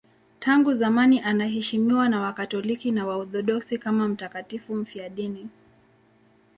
Tangu zamani anaheshimiwa na Wakatoliki na Waorthodoksi kama mtakatifu mfiadini.